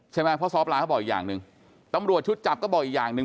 ใช่ไหมเพราะซ้อปลาเขาบอกอีกอย่างหนึ่งตำรวจชุดจับก็บอกอีกอย่างหนึ่ง